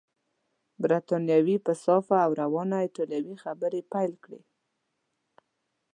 بریتانوي په صافه او روانه ایټالوې خبرې پیل کړې.